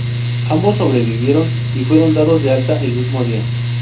Ambos sobrevivieron y fueron dados de alta el mismo día.